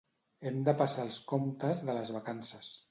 Hem de passar els comptes de les vacances